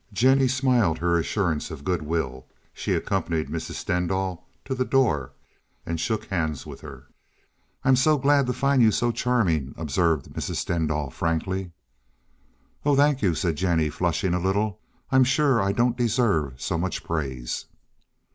Jennie smiled her assurances of good will. She accompanied Mrs. Stendahl to the door, and shook hands with her. "I'm so glad to find you so charming," observed Mrs. Stendahl frankly. "Oh, thank you," said Jennie flushing a little. "I'm sure I don't deserve so much praise."